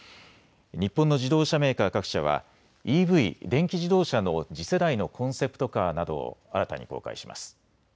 日本の自動車メーカー各社はＥＶ・電気自動車の次世代のコンセプトカーなどを新たに公開します。